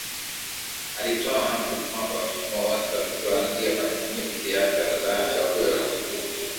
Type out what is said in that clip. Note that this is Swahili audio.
Alitoa amri kwamba watumwa wote watakaoingia kwenye milki yake wataachwa huru